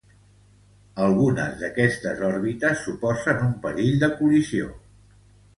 Algunes d'estes òrbites suposen un perill de col·lisió.